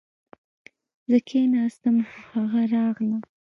زه کښېناستم خو هغه راغله